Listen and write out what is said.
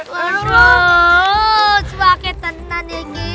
pak beng kita pak beng